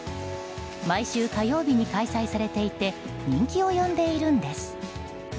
毎週火曜日に開催されていて人気を呼んでいるんです。